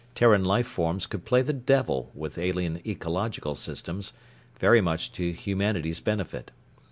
Terran life forms could play the devil with alien ecological systems very much to humanity's benefit.